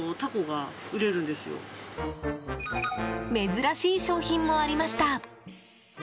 珍しい商品もありました。